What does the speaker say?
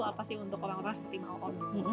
apa sih untuk orang orang seperti oom